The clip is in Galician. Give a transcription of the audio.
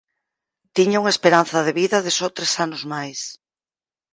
Tiña unha esperanza de vida de só tres anos máis.